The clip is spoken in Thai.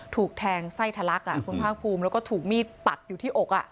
ถูกแทงไส้ทะลักกลุ่มภาคภูมิถูกมีดปากอยู่ที่อก